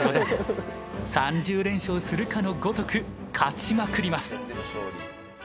３０連勝するかのごとく勝ちまくります。